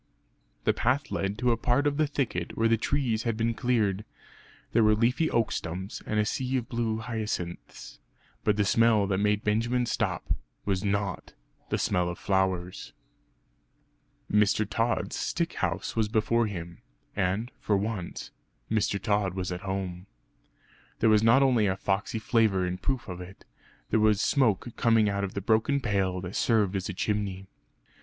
The path led to a part of the thicket where the trees had been cleared; there were leafy oak stumps, and a sea of blue hyacinths but the smell that made Benjamin stop, was not the smell of flowers! Mr. Tod's stick house was before him and, for once, Mr. Tod was at home. There was not only a foxey flavour in proof of it there was smoke coming out of the broken pail that served as a chimney.